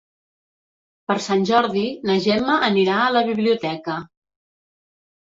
Per Sant Jordi na Gemma anirà a la biblioteca.